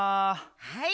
はい。